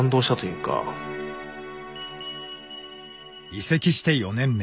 移籍して４年目。